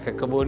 kita ke kebun